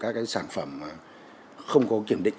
các sản phẩm không có kiểm định